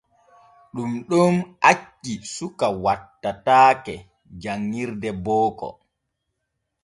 Ɗun ɗon acci suka wattataake janƞirde booko.